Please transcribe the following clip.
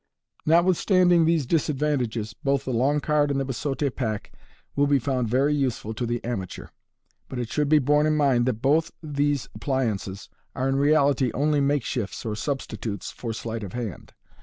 Notwithstanding these disad vantages, both the long card and the biseaute pack will b* found very useful to the amateur j but it should be borne in mind that both these appliances are in reality only makeshifts or substitutes for sleight of hand.